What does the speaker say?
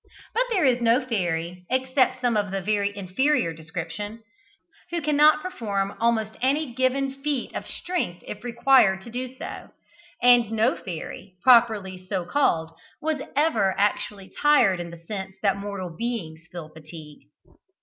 But there is no fairy, except some of the very inferior description, who cannot perform almost any given feat of strength if required to do so; and no fairy, properly so called, was ever actually tired in the sense that mortal beings feel fatigue.